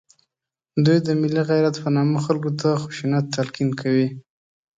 دوی د ملي غیرت په نامه خلکو ته خشونت تلقین کوي